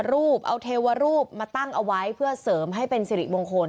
รูปเอาเทวรูปมาตั้งเอาไว้เพื่อเสริมให้เป็นสิริมงคล